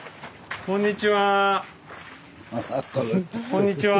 こんにちは！